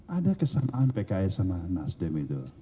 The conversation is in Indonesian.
ada kesamaan pks sama nasdem itu